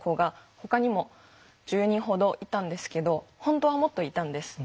ほかにも１０人ほどいたんですけど本当はもっといたんです。